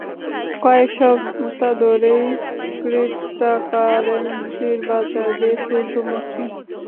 কয়েক সপ্তাহ ধরেই ক্রিপ্টোকারেন্সির বাজার বেশ ঊর্ধ্বমুখী।